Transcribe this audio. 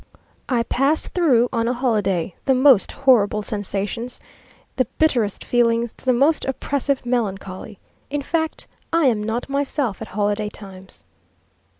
I pass through, on a holiday, the most horrible sensations, the bitterest feelings, the most oppressive melancholy; in fact, I am not myself at holiday times."